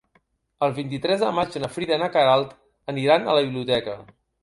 El vint-i-tres de maig na Frida i na Queralt aniran a la biblioteca.